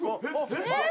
・すごい！